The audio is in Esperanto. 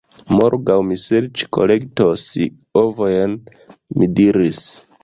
Morgaŭ mi serĉkolektos ovojn, mi diris.